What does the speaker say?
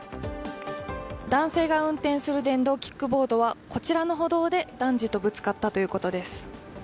男性が運転する電動キックボードはこちらの歩道で男児とぶつかったということです。